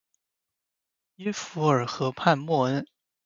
耶弗尔河畔默恩。